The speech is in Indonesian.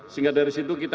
sehingga dari situ kita